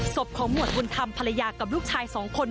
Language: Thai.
ศพของหมวดบุญธรรมภรรยากับลูกชาย๒คน